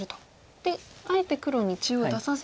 であえて黒に中央出させて。